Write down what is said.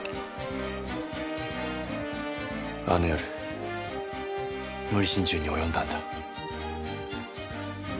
あの夜無理心中に及んだんだ。